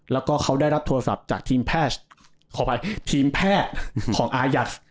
แล้วก็เขาได้รับโทรศัพท์จากทีมแพทช์ใช่ไปทีมแพทของอายัดหน่าครับ